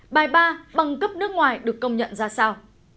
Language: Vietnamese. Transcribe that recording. bài ba bằng cấp nước ngoài được công nhận ra sao